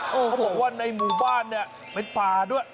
เขาบอกว่าในหมู่บ้านเนี่ยเป็นป่าด้วย